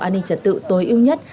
an ninh trật tự tối ưu nhất